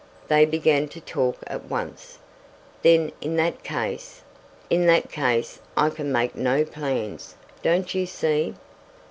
They began to talk at once. "Then in that case " "In that case I can make no plans, don't you see."